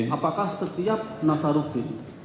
apakah setiap nazarudin